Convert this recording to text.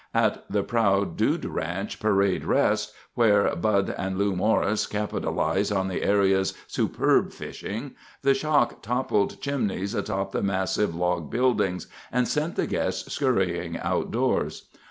■ At the proud dude ranch, Parade Rest, where Bud and Lu Morris capitalize on the area's superb fishing, the shock toppled chimneys atop the massive log buildings and sent the guests scurrying outdoors.